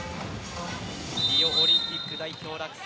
リオオリンピック代表落選